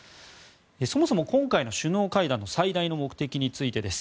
そもそも今回の首脳会談の最大の目的についてです。